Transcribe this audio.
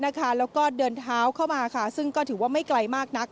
แล้วก็เดินเท้าเข้ามาซึ่งก็ถือว่าไม่ไกลมากนัก